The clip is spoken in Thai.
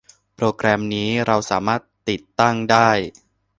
โปรแกรมนี้ เราสามารถติดตั้งได้